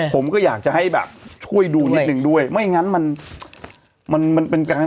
ผมก็อยากจะให้แบบช่วยดูนิดนึงด้วยไม่งั้นมันมันมันเป็นการ